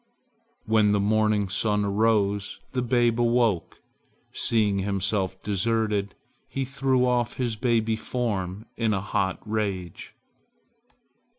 When the morning sun arose, the babe awoke. Seeing himself deserted, he threw off his baby form in a hot rage.